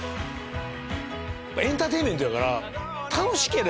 エンターテインメントやから楽しければ。